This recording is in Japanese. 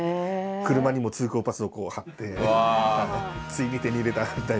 車にも通行パスをこう貼ってついに手に入れたみたいな。